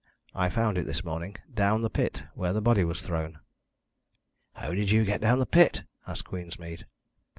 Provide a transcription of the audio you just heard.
I found it this morning down the pit where the body was thrown." "How did you get down the pit?" asked Queensmead.